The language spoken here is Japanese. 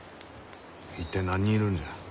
一体何人いるんじゃ？